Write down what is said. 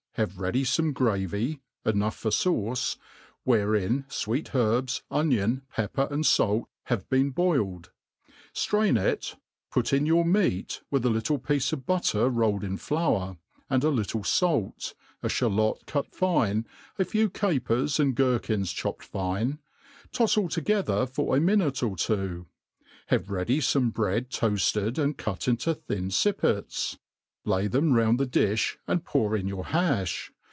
Have ready feme gravy (enough for faoce^ Wherein fweet herbs, ohion, pepper, and fait, have been boil; cd ; ftrain it, put in your meat, vi^ith a little piece of buttei' rblled in flour, and a little fait, a (Halot cut fine, a few capers and gerkins chopped fine : tofs all together for a minatd or two; have ready fortic bread tbafled and, cut into thin fippets, lay thism round' the difii, and pour in your hafh.